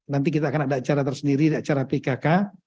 nanti kita akan ada acara tersendiri acara pkk